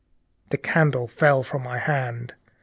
The candle fell from my hands.